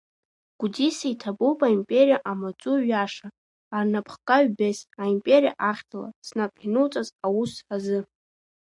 Гәдиса иҭабуп аимпериа амаҵуҩ иаша, арнапхгаҩ Бесс, аимпериа ахьӡала, снап иануҵаз аус азы!